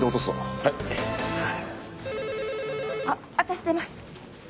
あっ私出ます。